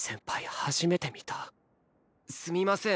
初めて見たすみません。